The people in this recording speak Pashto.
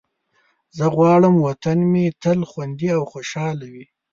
زه غواړم وطن مې تل خوندي او خوشحال وي.